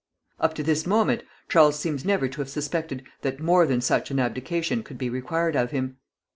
Up to this moment Charles seems never to have suspected that more than such an abdication could be required of him.